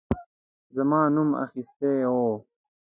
زما نوم اخیستی وو.